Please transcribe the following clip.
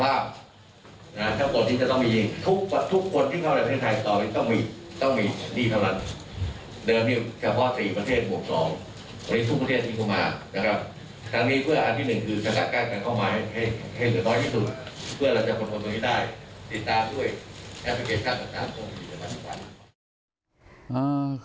ถ้าบทที่จะต้องมีทุกคนที่เข้าในประเทศไทยต้องมีต้องมีนิพยาธิัตรัส